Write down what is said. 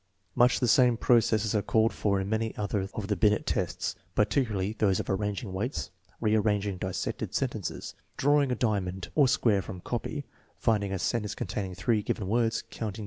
Much the same processes are called for in many other of the Binet tests, particularly those of arranging weights, rearranging dissected sentences, drawing a diamond or square from copy, finding a sentence containing three given words, counting backwards, etc.